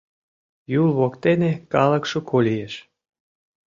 Юл воктене калык шуко лиеш.